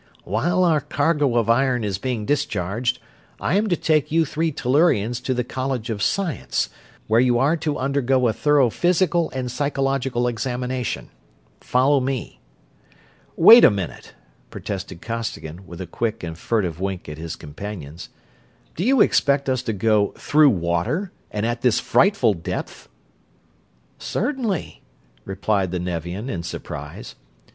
"While our cargo of iron is being discharged, I am to take you three Tellurians to the College of Science, where you are to undergo a thorough physical and psychological examination. Follow me." "Wait a minute!" protested Costigan, with a quick and furtive wink at his companions. "Do you expect us to go through water, and at this frightful depth?" "Certainly," replied the Nevian, in surprise.